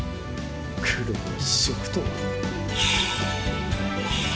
黒一色とは。